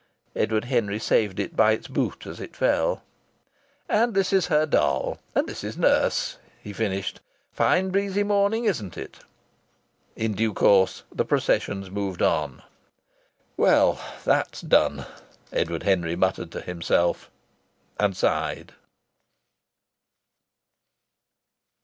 Edward Henry saved it by its boot as it fell. "And this is her doll. And this is nurse," he finished. "Fine breezy morning, isn't it?" In due course the processions moved on. "Well, that's done!" Edward Henry muttered to himself. And sighed.